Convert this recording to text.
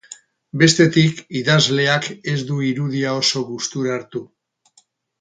Bestetik, idazleak ez du irudia oso gustura hartu.